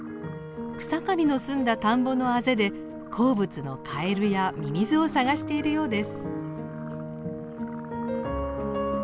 草刈りの済んだ田んぼの畦で好物のカエルやミミズを探しているようです。